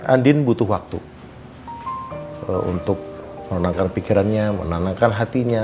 andin butuh waktu untuk menenangkan pikirannya menenangkan hatinya